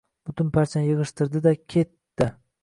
Butun parchalarini yig’ishtirdi-da ke-e-etdi.